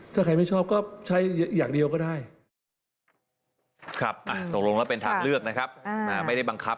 ถ้าใครไม่ชอบก็ใช้แนวทางเดิมได้นะฮะไปฟังเสียงทางนายกรัฐมนตรีกันครับ